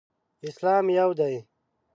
اسلام یو دی.